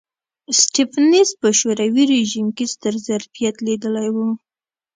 سټېفنس په شوروي رژیم کې ستر ظرفیت لیدلی و